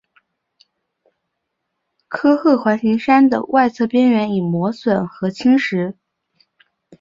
科赫环形山的外侧边缘已磨损和侵蚀。